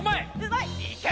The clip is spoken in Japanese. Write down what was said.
いけ！